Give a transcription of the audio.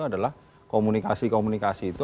adalah komunikasi komunikasi itu